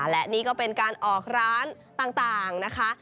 และนี่ก็เป็นการออกร้านต่างนะคะ